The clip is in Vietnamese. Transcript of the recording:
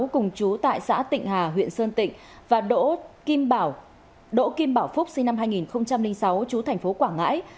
cùng chú tại xã tịnh hà huyện sơn tịnh và đỗ kim bảo phúc sinh năm hai nghìn sáu chú thành phố quảng ngãi